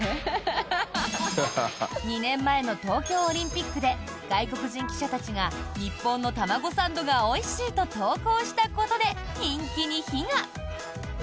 ２年前の東京オリンピックで外国人記者たちが日本の卵サンドがおいしいと投稿したことで人気に火が。